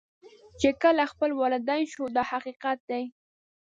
چې کله خپله والدین شو دا حقیقت دی.